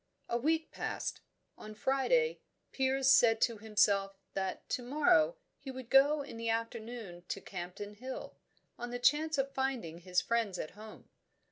A week passed. On Friday, Piers said to himself that to morrow he would go in the afternoon to Campden Hill, on the chance of finding his friends at home.